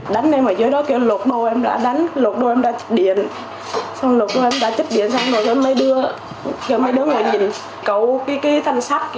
đánh em ở dưới đó kêu lột đồ em đã đánh lột đồ em đã chích điện lột đồ em đã chích điện xong rồi mấy đứa ngồi nhìn cầu cái thân sát